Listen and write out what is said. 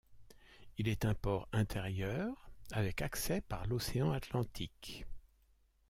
Il est un port intérieur avec accès par l'océan Atlantique.